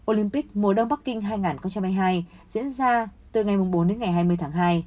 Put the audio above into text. olympic mùa đông bắc kinh hai nghìn hai mươi hai diễn ra từ ngày bốn đến ngày hai mươi tháng hai